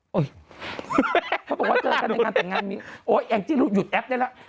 เขาบอกว่าเจอกันในงานแต่งงานมีโอ๊ยแองจี้หยุดแอปได้แล้ว